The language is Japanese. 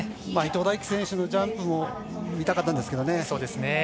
伊東大貴選手のジャンプも見たかったですね。